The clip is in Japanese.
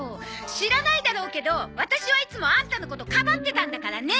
知らないだろうけどワタシはいつもアンタのことかばってたんだからね！